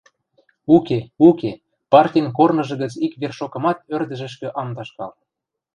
Уке, уке, партин корныжы гӹц ик вершокымат ӧрдӹжӹшкӹ ам ташкал...